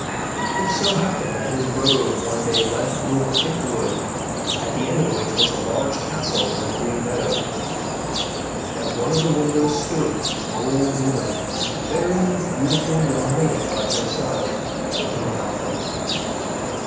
It so happened that his road one day led through a thick wood, at the end of which was a large castle in a green meadow, and at one of the windows stood an old woman with a very beautiful young lady by her side looking about them.